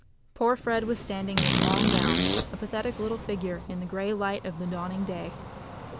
Poor Fred was standing in his long gown, a pathetic little figure in the grey light of the dawning day.